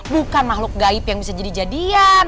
bukan makhluk gaib yang bisa jadi jadian